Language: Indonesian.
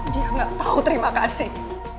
dia gak tahu terima kasih